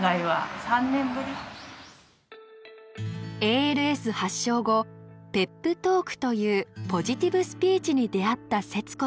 ＡＬＳ発症後ペップトークというポジティブスピーチに出会った摂子さん。